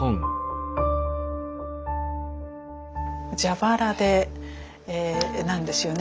蛇腹なんですよね。